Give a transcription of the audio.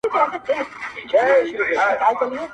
ليکوال ژور نقد وړلاندي کوي ډېر